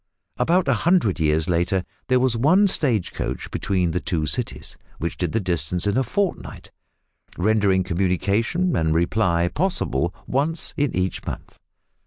About a hundred years later there was one stage coach between the two cities, which did the distance in a fortnight, rendering communication and reply possible once in each month.